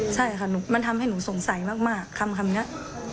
ใช่ค่ะมันทำให้หนูสงสัยมากคำนี้